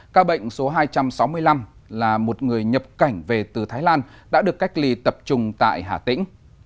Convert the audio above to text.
ca bệnh số hai trăm sáu mươi năm là một người nhập cảnh về từ thái lan đã được cách ly tập trung tại hà tĩnh